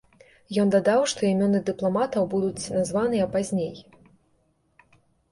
Ён дадаў, што імёны дыпламатаў будуць названыя пазней.